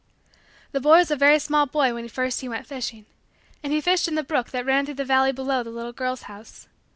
The boy was a very small boy when first he went fishing. And he fished in the brook that ran through the valley below the little girl's house.